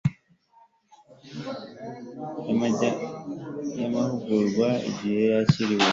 y amahugurwa igihe yakiriwe